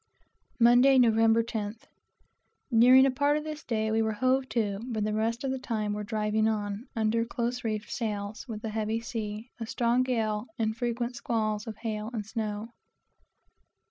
Monday, Nov. 10th. During a part of this day we were hove to, but the rest of the time were driving on, under close reefed sails, with a heavy sea, a strong gale, and frequent squalls of hail and snow.